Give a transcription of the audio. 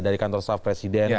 dari kantor staff presiden